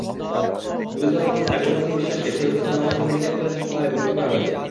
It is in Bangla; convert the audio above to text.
গুরুতর অবস্থায় পরিমল বিশ্বাসকে শহীদ সোহরাওয়ার্দী মেডিকেল কলেজ হাসপাতালে ভর্তি করা হয়েছে।